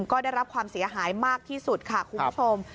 ก็ได้รับความเสียหายมากที่สุดค่ะคุณผู้ชม